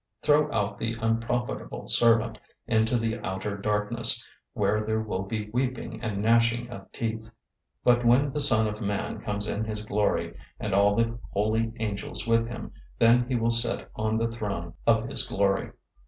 025:030 Throw out the unprofitable servant into the outer darkness, where there will be weeping and gnashing of teeth.' 025:031 "But when the Son of Man comes in his glory, and all the holy angels with him, then he will sit on the throne of his glory.